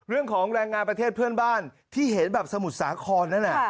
เรื่องของแรงงานประเทศเพื่อนบ้านที่เห็นแบบสมุทรสาครนั่นน่ะ